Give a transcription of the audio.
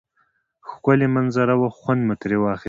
ښکلی منظره وه خوند مو تری واخیست